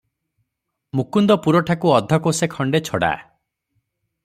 ମୁକୁନ୍ଦପୁରଠାକୁ ଅଧ କୋଶେ ଖଣ୍ଡେ ଛଡ଼ା ।